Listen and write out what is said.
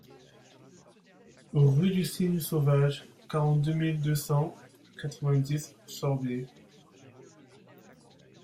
Rue du Cygne Sauvage, quarante-deux mille deux cent quatre-vingt-dix Sorbiers